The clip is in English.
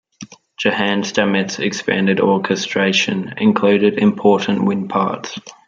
Johann Stamitz's expanded orchestration included important wind parts.